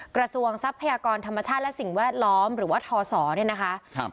ทรัพยากรธรรมชาติและสิ่งแวดล้อมหรือว่าทศเนี่ยนะคะครับ